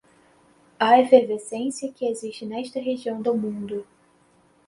à efervescência que existe nesta região do mundo